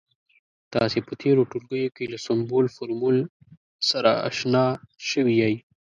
تاسې په تیرو ټولګیو کې له سمبول، فورمول سره اشنا شوي يئ.